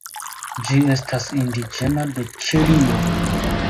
Ĝi estas indiĝena de Ĉilio.